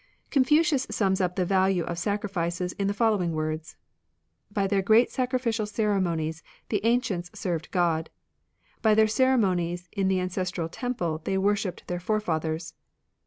Confucius sums up the value of sa^orifices in the following words. " By their great sacrificial ceremonies the ancients served Grod; by their cere monies in the ancestral temple they worshipped their forefathers.